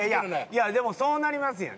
いやでもそうなりますやん。